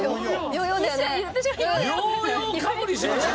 ヨーヨーかぶりしました。